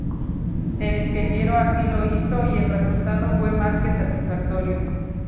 El ingeniero así lo hizo, y el resultado fue más que satisfactorio.